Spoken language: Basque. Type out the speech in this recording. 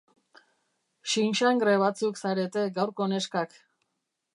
Xinxangre batzuk zarete gaurko neskak.